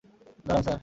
দাঁড়ান, স্যার।